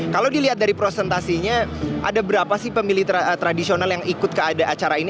kalau dilihat dari prosentasinya ada berapa sih pemilih tradisional yang ikut ke acara ini